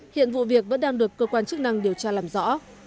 hiện vụ việc vẫn đang được cơ quan chức năng điều tra làm rõ